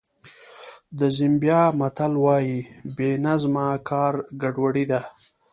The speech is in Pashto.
د زیمبیا متل وایي بې نظمه کار ګډوډي ده.